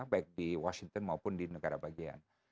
baik di washington maupun di negara bagian